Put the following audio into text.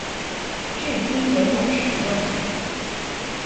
至今仍然使用。